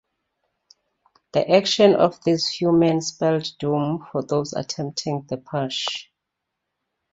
The action of these few men spelled doom for those attempting the putsch.